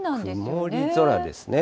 曇り空ですね。